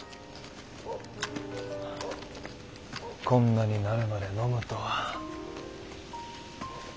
こんなになるまで飲むとは。